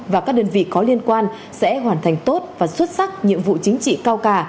và các đơn vị có liên quan sẽ hoàn thành tốt và xuất sắc nhiệm vụ chính trị cao cả